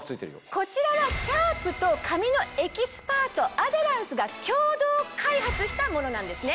こちらはシャープと髪のエキスパートアデランスが共同開発したものなんですね。